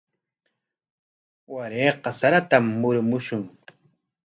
Warayqa saratam murumushun.